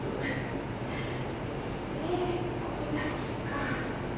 えっと確か。